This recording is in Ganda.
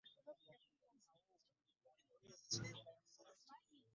Eggwanga terinnayamba bulungi balimi baalya mu bikozesebwa mu mulimo guno.